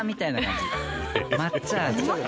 抹茶味。